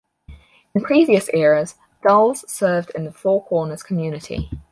In previous eras, Dulles served the Four Corners community.